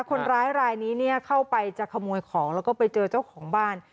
คนร้ายรายนี้เข้าไปจะขโมยของแล้วก็ไปเจอเจ้าของบ้าน